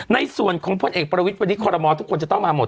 ในส่วนของพลเอกประวิทย์วันนี้คอรมอลทุกคนจะต้องมาหมด